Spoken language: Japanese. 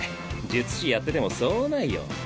術師やっててもそうないよ。